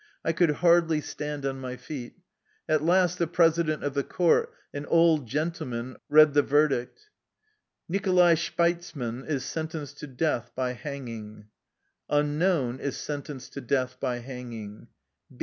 I could hardly stand on my feet. At last the president of the court, an old general, read the verdict. " Nicholai Shpeizman is sentenced to death by hanging. ^ Unknown ' is sentenced to death by hanging.